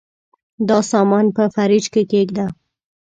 دا سامان په فریج کي کښېږده.